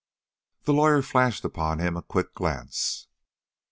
The lawyer flashed upon him a quick glance.